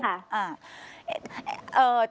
ใช่ค่ะ